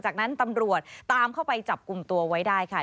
จากนั้นตำรวจตามเข้าไปจับกลุ่มตัวไว้ได้ค่ะ